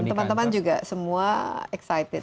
teman teman juga semua excited